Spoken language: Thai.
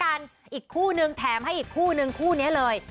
กันอีกคู่นึงแถมให้อีกคู่นึงคู่นี้เลย